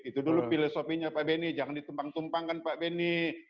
itu dulu filosofinya pak benny jangan ditumpang tumpang kan pak benny